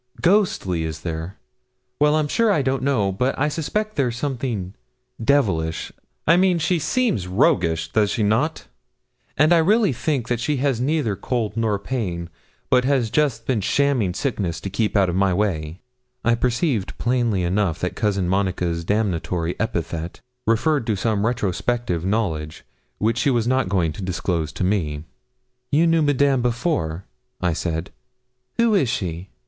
'Ghosty is there? well, I'm sure I don't know, but I suspect there's something devilish I mean, she seems roguish does not she? And I really think she has had neither cold nor pain, but has just been shamming sickness, to keep out of my way.' I perceived plainly enough that Cousin Monica's damnatory epithet referred to some retrospective knowledge, which she was not going to disclose to me. 'You knew Madame before,' I said. 'Who is she?'